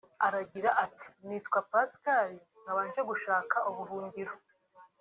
Aratangira ati “Nitwa Pascal nkaba nje gushaka ubuhungiro